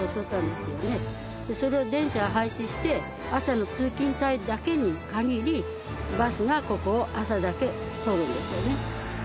でそれを電車を廃止して朝の通勤帯だけに限りバスがここを朝だけ通るんですよね。